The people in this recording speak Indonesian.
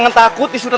gimana sih deh